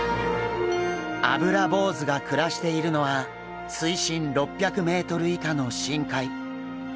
アブラボウズが暮らしているのは水深６００ｍ以下の深海。